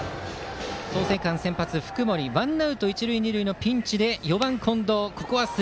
創成館、先発の福盛ワンアウト、一塁二塁のピンチで４番、近藤。